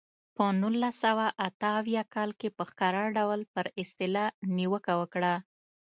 په نولس سوه اته اویا کال کې په ښکاره ډول پر اصطلاح نیوکه وکړه.